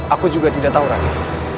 aku juga tidak tahu rakyat